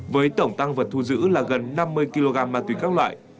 với tổng tăng vật thu giữ là gần năm mươi kg ma túy các loại